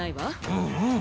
うんうん。